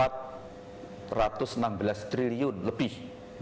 empat ratus enam belas triliun lebih